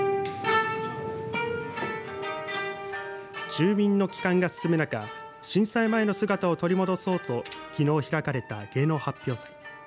住民の帰還が進む中震災前の姿を取り戻そうときのう開かれた芸能発表祭。